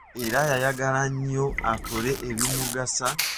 Era yayagala nnyo akole ebimugasa.